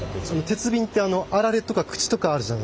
鉄瓶ってあられとか口とかあるじゃないですか。